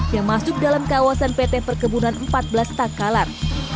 yang masuk dalam kawasan pt perkebunan empat belas takalar